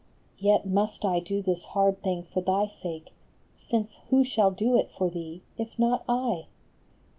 93 Yet must I do this hard thing for thy sake, Since who shall do it for thee, if not I